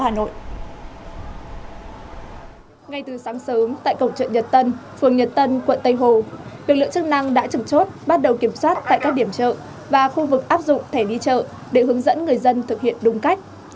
ngay từ sáng sớm tại cổng chợ nhật tân phường nhật tân quận tây hồ lực lượng chức năng đã trực chốt bắt đầu kiểm soát tại các điểm chợ và khu vực áp dụng thẻ đi chợ để hướng dẫn người dân thực hiện đúng cách